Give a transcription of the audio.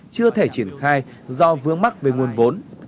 chưa thể triển khai do vướng mắc về nguồn vốn